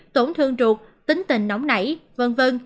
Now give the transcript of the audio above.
tổn thương ruột tính tình nóng nảy v v